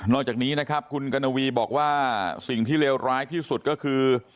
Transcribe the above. แล้วที่เลวร้ายที่สุดก็คือ